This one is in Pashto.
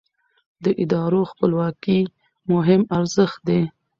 د ادارو خپلواکي مهم ارزښت دی